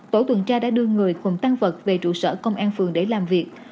tổ tuần tra đã đưa người cùng tăng vật về trụ sở công an phường để làm việc